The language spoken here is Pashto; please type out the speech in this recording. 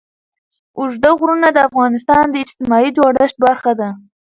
اوږده غرونه د افغانستان د اجتماعي جوړښت برخه ده.